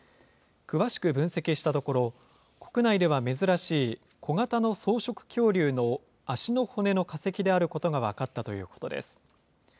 詳しく分析したところ、国内では珍しい小型の草食恐竜の足の骨の化石であることが分かったということです。